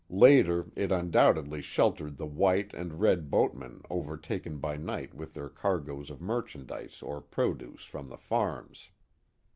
Later it undoubtedly sheltered the white and red boatmen overtaken by night with their cargoes of merchandise or produce from the farms.